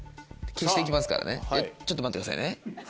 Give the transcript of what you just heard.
消して行きますからねちょっと待ってくださいね。